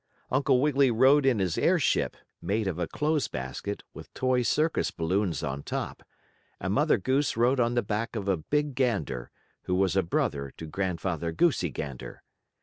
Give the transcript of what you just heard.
Uncle Wiggily rode in his airship, made of a clothes basket, with toy circus balloons on top, and Mother Goose rode on the back of a big gander, who was a brother to Grandfather Goosey Gander.